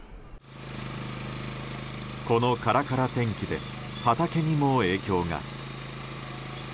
このカラカラ天気で畑にも影響が。